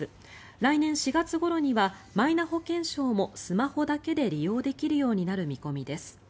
来年４月ごろにはマイナ保険証もスマホだけで利用できるようになる見込みです。